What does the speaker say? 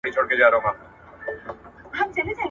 مور او پلار ته دا جائزه نده.